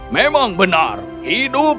memang benar hidup